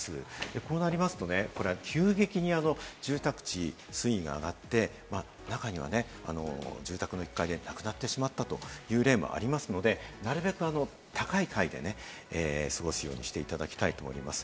こうなりますと、急激に住宅地、水位が上がって、中にはね、住宅の１階で亡くなってしまったという例もありますので、なるべく高い階で過ごすようにしていただきたいと思います。